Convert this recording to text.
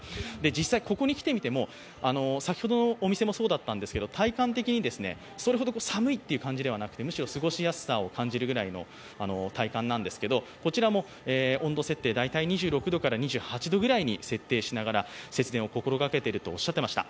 実際、ここに来てみても先ほどのお店もそうだったんですけれども、体感的に、それほど寒いという感じではなくてむしろ過ごしやすさを感じるぐらいの体感なんですけれどもこちらも温度設定大体２６度から２８度ぐらいに設定しながら節電を心がけているとおっしゃっていました。